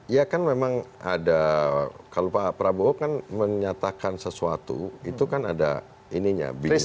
ya kan memang ada kalau pak prabowo kan menyatakan sesuatu itu kan ada ininya